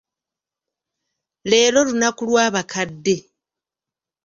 Leero lunaku lw'abakadde.